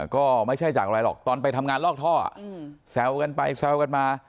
ก็ไม่ใช่จากอะไรหรอกตอนไปทำงานลอกท่อแซวกันไปแซวกันมา